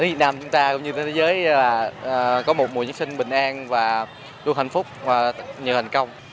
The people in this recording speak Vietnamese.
việt nam chúng ta cũng như thế giới có một mùa giáng sinh bình an và luôn hạnh phúc và nhiều thành công